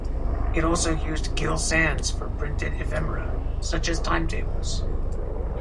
It also used Gill Sans for printed ephemera, such as timetables.